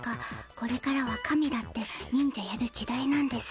これからは神だってにん者やる時代なんです。